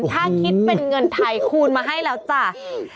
ถ้าคิดเป็นเงินไทยคูณมาให้แล้วจ้า